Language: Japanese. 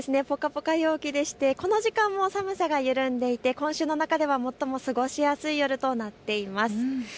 ぽかぽか陽気でして、この時間も寒さが緩んでいて今週の中では最も過ごしやすい夜となっています。